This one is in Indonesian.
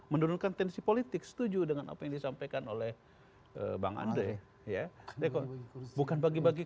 menurunkan tensi politik setuju dengan apa yang disampaikan oleh bang andre ya deko bukan bagi bagi